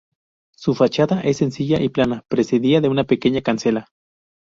Su fachada es sencilla y plana, precedida de una pequeña cancela.